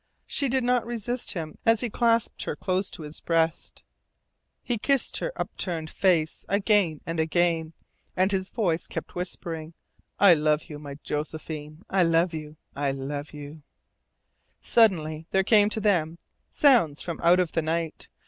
She did not resist him as he clasped her close to his breast. He kissed her upturned face again and again, and his voice kept whispering: "I love you, my Josephine I love you I love you " Suddenly there came to them sounds from out of the night.